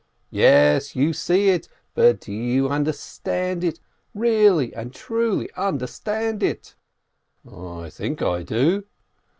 "Yes, you see it, but do you understand it, really and truly understand it ?" "I think I do."